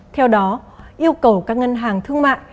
theo đó yêu cầu các ngân hàng thương mại